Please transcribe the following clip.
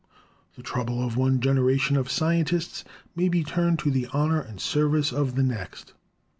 The trouble of one generation of scientists may be turned to the honor and service of the next.